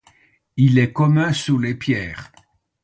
Il est commun sous les pierres.